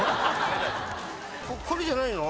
これじゃないの？